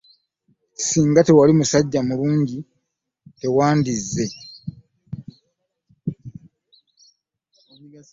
Ssinga tewali musajja mulungi tetwandizze.